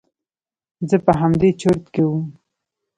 زه په همدې چورت کښې وم.